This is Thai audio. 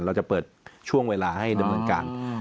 เราจะเปิดช่วงเวลาให้ดำเนินการ